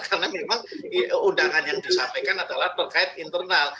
karena memang undangan yang disampaikan adalah berkait internal